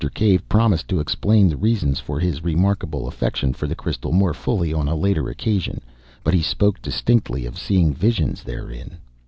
Cave promised to explain the reasons for his remarkable affection for the crystal more fully on a later occasion, but he spoke distinctly of seeing visions therein.